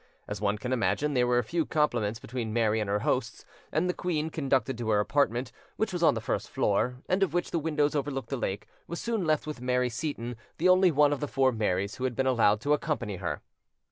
As one can imagine, there were few compliments between Mary and her hosts; and the queen, conducted to her apartment, which was on the first floor, and of which the windows overlooked the lake, was soon left with Mary Seyton, the only one of the four Marys who had been allowed to accompany her.